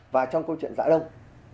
và trong câu chuyện giã đông